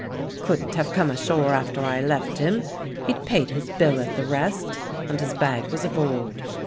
"Couldn't have come ashore after I left him: he'd paid his bill at the Rest and his bag was aboard.